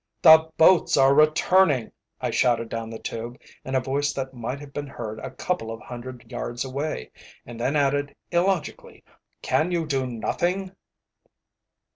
"The boats are returning," I shouted down the tube, in a voice that might have been heard a couple of hundred yards away, and then added illogically "can you do nothing?"